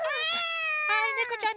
はいねこちゃん